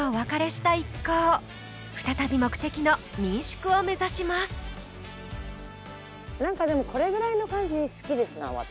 再び目的の民宿を目指しますなんかでもこれぐらいの感じ好きですな私。